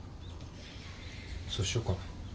そうしようかな。